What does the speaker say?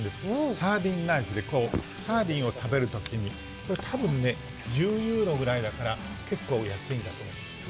サーディンナイフで、サーディンを食べるときに、たぶんね、１０ユーロぐらいだから結構、安いんだと思います。